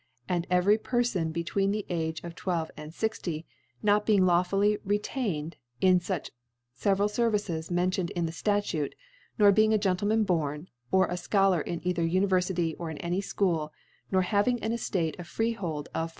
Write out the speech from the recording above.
« And every Perfon between the Age of Twelve and Sixty, not being lawfully re tained in the feveral Services mentioned in the Statute *, nor being a Gentleman born, or a Scholar In cither Univerfity or in any School, nor having an Eftate of Freehold, of j^os.